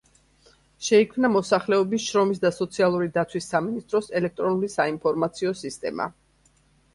შეიქმნა მოსახლეობის შრომის და სოციალური დაცვის სამინისტროს ელექტრონული საინფორმაციო სისტემა.